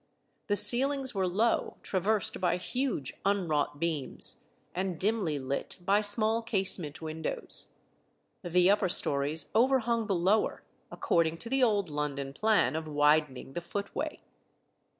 The ceilings were low, traversed by huge unwrought beams, and dimly lit by small casement windows. The upper stories overhung the lower, according to the old London plan of widening the footway.